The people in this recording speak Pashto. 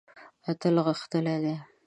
اتل غښتلی دی.